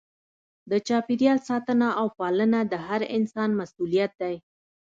د چاپیریال ساتنه او پالنه د هر انسان مسؤلیت دی.